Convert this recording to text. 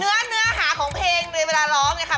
เนื้อเนื้อหาของเพลงในเวลาร้องเนี่ยค่ะ